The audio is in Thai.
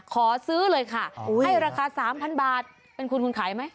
ขอซื้อเลยค่ะให้ราคา๓๐๐บาทเป็นคุณคุณขายไหม